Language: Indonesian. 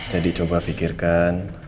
jadi coba pikirkan